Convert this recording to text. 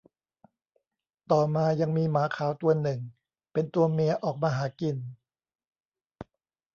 ต่อมายังมีหมาขาวตัวหนึ่งเป็นตัวเมียออกมาหากิน